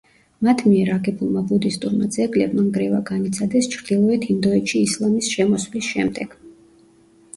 მათ მიერ აგებულმა ბუდისტურმა ძეგლებმა ნგრევა განიცადეს ჩრდილოეთ ინდოეთში ისლამის შემოსვლის შემდეგ.